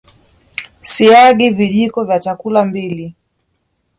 siagi vijiko vya chakula mbili